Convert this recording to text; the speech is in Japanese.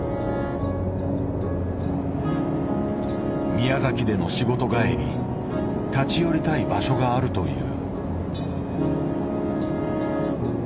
宮崎での仕事帰り立ち寄りたい場所があるという。